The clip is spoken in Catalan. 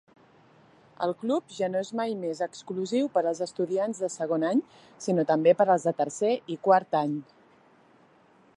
El club ja no és mai més exclusiu per als estudiants de segon any, sinó també per als de tercer y quart any.